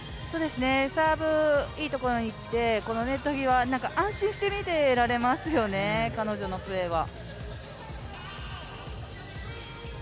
サーブ、いいところに来て、このネット際、安心して見ていられますよね、彼女のプレーは。